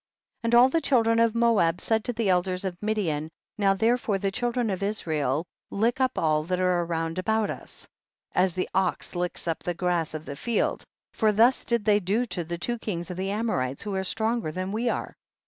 41. And all the children of Moab said to the elders of Midian, now therefore the children of Israel lick up all that are round about us, as the ox licks up the grass of the field, for thus did they do to the two kings of the Amorites who are stronger than we are.